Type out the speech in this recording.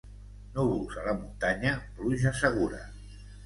Núvols a la muntanya, pluja segura.